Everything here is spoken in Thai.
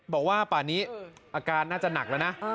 บอกว่าป่านี้อาการน่าจะหนักแล้วนะ